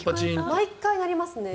毎回鳴りますね。